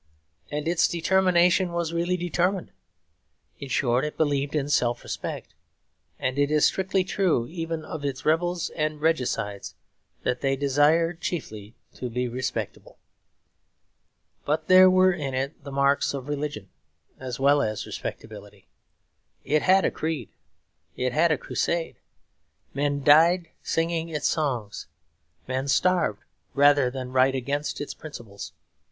And its determination was really determined. In short, it believed in self respect; and it is strictly true even of its rebels and regicides that they desired chiefly to be respectable. But there were in it the marks of religion as well as respectability; it had a creed; it had a crusade. Men died singing its songs; men starved rather than write against its principles.